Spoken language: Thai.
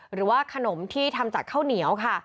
หรือว่าขนมที่ทำจากข้าวเหนียวค่ะ